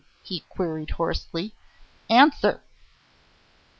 he queried hoarsely. "Answer!"